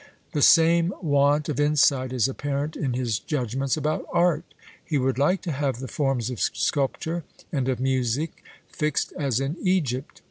The same want of insight is apparent in his judgments about art. He would like to have the forms of sculpture and of music fixed as in Egypt.